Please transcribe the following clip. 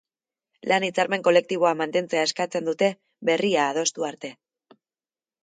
Lan-hitzarmen kolektiboa mantentzea eskatzen dute, berria adostu arte.